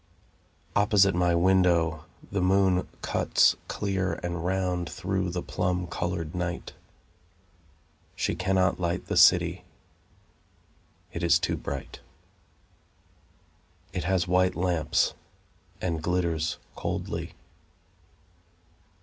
Opposite my window, The moon cuts, Clear and round, Through the plum coloured night. She cannot light the city; It is too bright. It has white lamps, And glitters coldly.